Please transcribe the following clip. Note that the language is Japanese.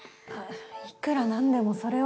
いくらなんでもそれは。